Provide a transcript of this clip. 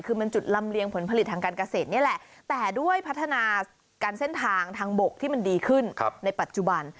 คือมันจุดลำเลียงผลผลิตทางการเกษตรนี่แหละแต่ด้วยพัฒนาการเส้นทางทางบกที่มันดีขึ้นในปัจจุบัน